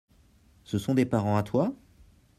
Ce sont des parents à toi ?